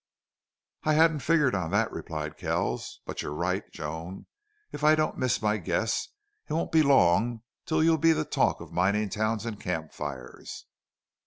"I hadn't figured on that," replied Kells. "But you're right.... Joan, if I don't miss my guess, it won't be long till you'll be the talk of mining towns and camp fires."